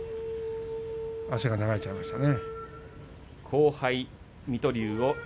足が流れちゃいましたね。